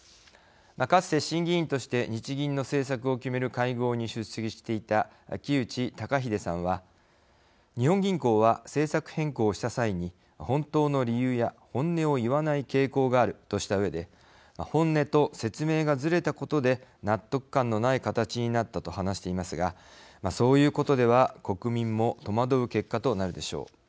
かつて審議委員として日銀の政策を決める会合に出席していた木内登英さんは「日本銀行は政策変更をした際に本当の理由や本音を言わない傾向がある」としたうえで本音と説明がずれたことで納得感のない形になったと話していますがそういうことでは国民も戸惑う結果となるでしょう。